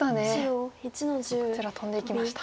こちらトンでいきました。